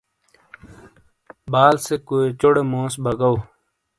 بال سے کویوچوڑے موس بگو۔